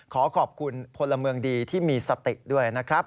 ขอขอบคุณพลเมืองดีที่มีสติด้วยนะครับ